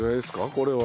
これは。